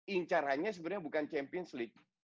incarannya sebenarnya bukan champions league